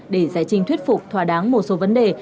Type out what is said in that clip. để giải trình thuyết phục thỏa đáng một số vấn đề